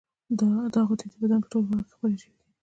دا غدې د بدن په ټولو برخو کې خپرې شوې دي.